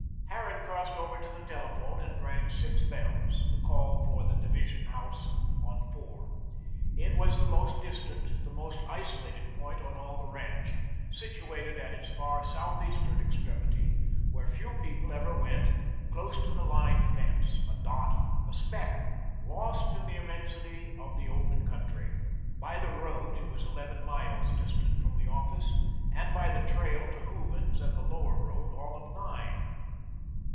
Harran crossed over to the telephone and rang six bells, the call for the division house on Four. It was the most distant, the most isolated point on all the ranch, situated at its far southeastern extremity, where few people ever went, close to the line fence, a dot, a speck, lost in the immensity of the open country. By the road it was eleven miles distant from the office, and by the trail to Hooven's and the Lower Road all of nine.